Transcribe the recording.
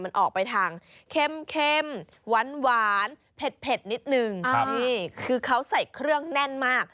มันออกไปทางเข้มหวานเผ็ดนิดนึงนี่คือเขาใส่เครื่องแน่นมาก